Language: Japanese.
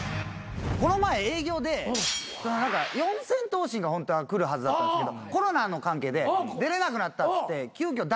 この前営業で四千頭身がホントは来るはずだったんですけどコロナの関係で出れなくなったっつって急きょ